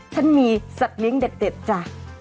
ฉันมีสัตว์เลี้ยงเด็ดจ้ะ